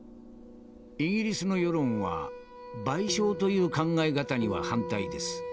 「イギリスの世論は賠償という考え方には反対です。